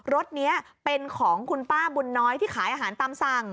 รถนี้เป็นของคุณป้าบุญน้อยที่ขายอาหารตามสั่ง